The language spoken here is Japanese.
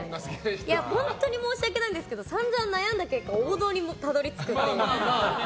本当に申し訳ないんですけど散々悩んだ結果王道にたどり着くっていう。